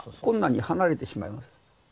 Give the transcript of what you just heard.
こんなに剥がれてしまいます。